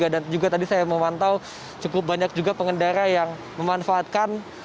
dan juga tadi saya memantau cukup banyak juga pengendara yang memanfaatkan